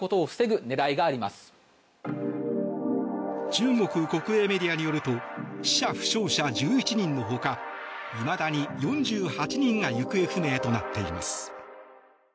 中国国営メディアによると死者・負傷者１１人の他いまだに４８人が行方不明となっています。